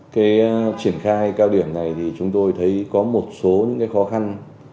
cái triển khai cao điểm này thì chúng tôi thấy có một số những cái khó khăn